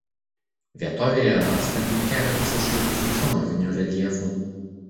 Vietovėje rasta tik keletas išlikusių senovinių reljefų.